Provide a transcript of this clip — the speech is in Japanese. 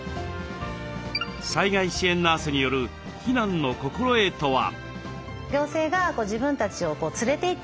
災害支援ナースによる避難の心得とは？